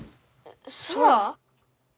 ソラ？